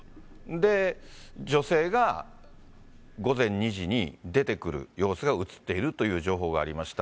で、女性が午前２時に出てくる様子が写っているという情報がありました。